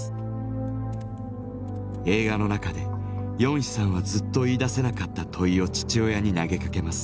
映画の中でヨンヒさんはずっと言いだせなかった問いを父親に投げかけます。